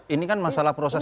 ini kan masalah proses